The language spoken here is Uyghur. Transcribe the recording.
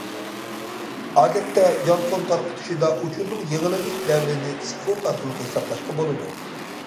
ئادەتتە يانفون تارقىتىشىدا ئۇچۇرنىڭ يېڭىلىنىش دەۋرىنى سېكۇنت ئارقىلىق ھېسابلاشقا بولىدۇ.